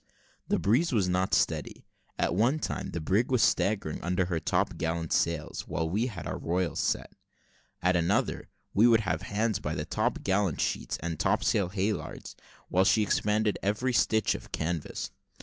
The breeze was not steady; at one time the brig was staggering under her top gallant sails, while we had our royals set; at another, we would have hands by the top gallant sheets and topsail halyards, while she expanded every stitch of canvas.